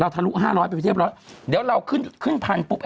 อันนี้ทั่วโลกครับ